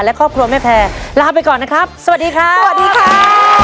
และครอบครัวแม่แพรลาไปก่อนนะครับสวัสดีครับสวัสดีครับ